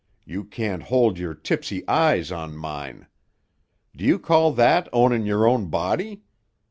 You can't hold your tipsy eyes on mine. Do you call that ownin' your own body?